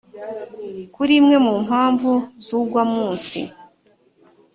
kuri imwe mu mpamvu z ugwa munsi